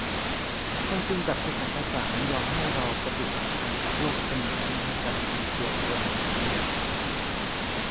ความจริงแบบผสมผสานยอมให้เราปฏิสัมพันธ์กับโลกเสมือนในการมีตัวตนอยู่จริงของเรา